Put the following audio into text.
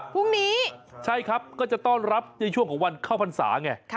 พรุ่งนี้ใช่ครับก็จะต้อนรับในช่วงของวันเข้าพรรษาไง